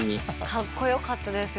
かっこよかったですよ。